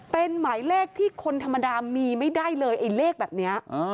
เป็นหมายเลขที่คนธรรมดามีไม่ได้เลยไอ้เลขแบบนี้